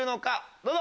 どうぞ！